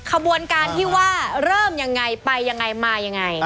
ขบวนการที่ว่าเริ่มยังไงไปยังไงมายังไง